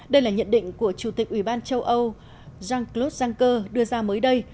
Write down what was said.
đây là nhận định của chủ tịch ủy ban châu âu jean claude juncker đưa ra mới đây